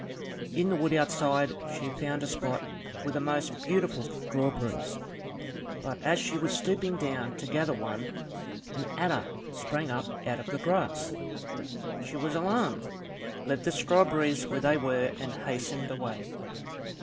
In the wood outside, she found a spot with the most beautiful strawberries; but as she was stooping down to gather one, an adder sprang up out of the grass. She was alarmed, left the strawberries where they were, and hastened away.